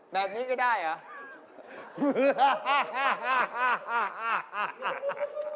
แบบนี้ก็ได้เหรอ